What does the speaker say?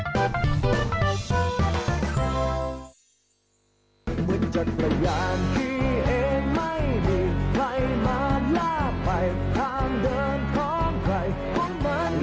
มันจะประหย่างที่เองไม่มีใครมาล่าไปทางเดินของใครก็เหมือน